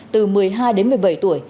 từ một mươi hai đến một mươi bảy tuổi